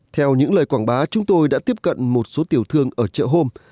theo những lời quảng bá chúng tôi đã tiếp cận một số tiểu thương ở chợ hôm